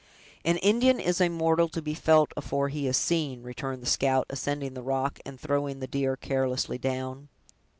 "An Indian is a mortal to be felt afore he is seen," returned the scout, ascending the rock, and throwing the deer carelessly down.